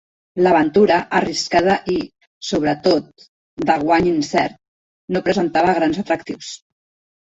L'aventura, arriscada i, sobretot, de guany incert, no presentava grans atractius.